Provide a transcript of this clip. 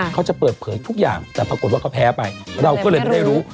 เขาจะเปิดเผยทุกอย่างแต่ปรากฏว่าเขาแพ้ไปเราก็เลยไม่ได้รู้